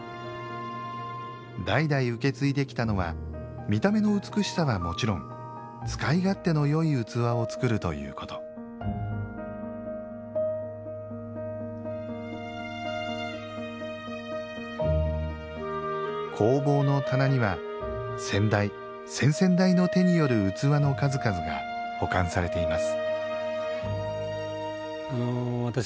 代々受け継いできたのは見た目の美しさはもちろん使い勝手のよい器を作るということ工房の棚には先代先々代の手による器の数々が保管されています